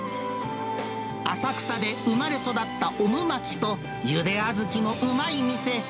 浅草で生まれ育ったオムマキと、ゆであずきのうまい店。